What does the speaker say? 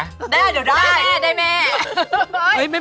ได้เดี๋ยวได้ได้แม่ได้แม่